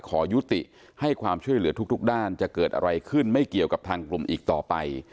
ขอยุติให้ความช่วยเหลือทุกด้านจะเกิดอะไรขึ้นไม่เกี่ยวกับทางกลุ่มอีกต่อไป